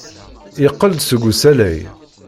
Yeqqel-d seg usalay.